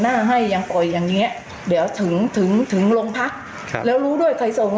ให้ยังปล่อยอย่างเงี้ยเดี๋ยวถึงถึงโรงพักครับแล้วรู้ด้วยใครส่ง